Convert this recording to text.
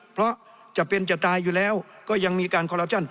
เพราะจะเป็นจะตายอยู่แล้วก็ยังมีการคอลลับชั่น